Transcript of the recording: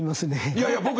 いやいや僕ね